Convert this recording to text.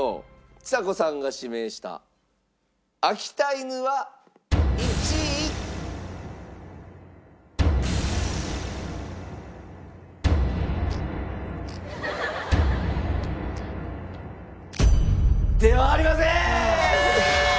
ちさ子さんが指名した秋田犬は１位？ではありません！